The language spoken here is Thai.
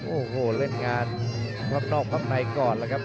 โอ้โหเล่นงานข้างนอกข้างในก่อนแล้วครับ